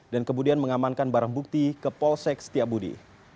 dan kemudian mengamankan barang bukti ke polsek setiabudi